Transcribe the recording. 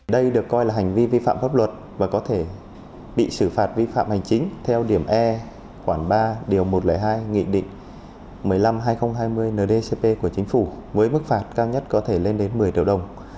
đây được coi là hành vi vi phạm pháp luật và có thể bị xử phạt vi phạm hành chính theo điểm e khoảng ba điều một trăm linh hai nghị định một mươi năm hai nghìn hai mươi ndcp của chính phủ với mức phạt cao nhất có thể lên đến một mươi triệu đồng